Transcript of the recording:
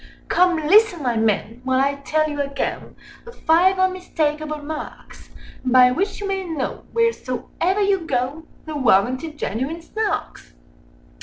"Come, listen, my men, while I tell you again Â Â Â Â The five unmistakable marks By which you may know, wheresoever you go, Â Â Â Â The warranted genuine Snarks.